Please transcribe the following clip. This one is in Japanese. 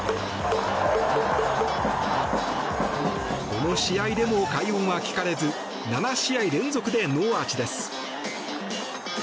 この試合でも快音は聞かれず７試合連続でノーアーチです。